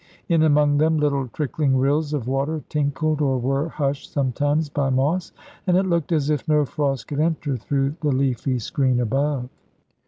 In among them little trickling rills of water tinkled, or were hushed sometimes by moss, and it looked as if no frost could enter through the leafy screen above.